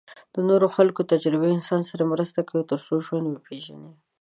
د نورو خلکو تجربې انسان سره مرسته کوي تر څو ژوند وپېژني.